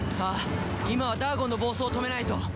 あぁ今はダーゴンの暴走を止めないと。